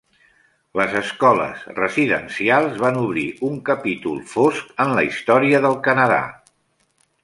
Les escoles residencials van obrir un capítol fosc en la història del Canadà.